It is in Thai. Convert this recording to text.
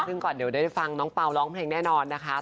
ซึ่งก่อนเดี๋ยวได้ฟังน้องเปล่าร้องเพลงแน่นอนนะคะ